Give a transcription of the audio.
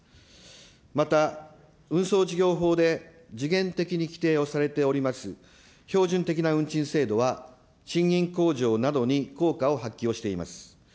また、運送事業法で時限的に規定をされております、標準的な運賃制度は、賃金向上などに効果を発揮をしています。